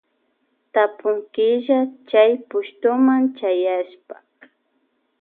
Tapunkilla Chay pushtuma chayaspa.